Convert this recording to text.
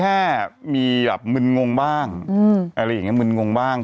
อะไรอย่างนี้มึนงงบ้าง